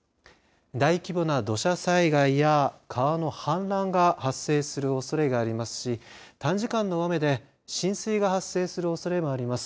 大規模な土砂災害や川の氾濫が発生するおそれがありますし短時間の大雨で浸水が発生するおそれもあります。